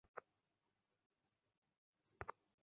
হ্যাঁ, আমার চাওয়ামতো কিছু হওয়াটা সহজ না!